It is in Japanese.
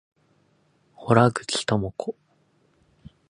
洞口朋子